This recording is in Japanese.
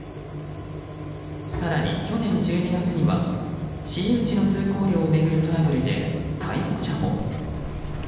更に、去年１２月には私有地の通行料を巡るトラブルで逮捕者も。